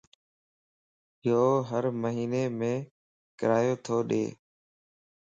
يوھر مھينيم ڪرايو تو ڏي